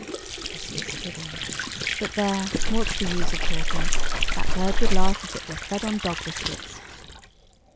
"Christmas pudding. But there—what's the use of talking—that bird would laugh if it were fed on dog biscuits."